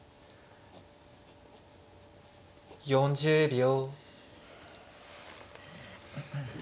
４０秒。